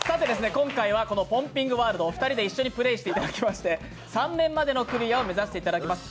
今回は「ポンピングワールド」２人でプレーしていただきまして３面までのクリアを目指していただきます。